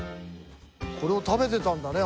これを食べてたんだね